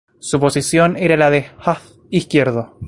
Su posición era la de half izquierdo.